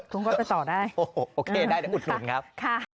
คุณก็ไปต่อได้โอเคได้แต่อุดหนุนครับ